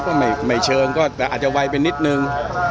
ก็ไม่เชิงก็แต่อาจจะไวไปนิดนึง